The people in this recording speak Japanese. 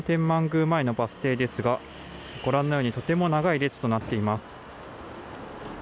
宮前のバス停ですがご覧のようにとても長い列となっています。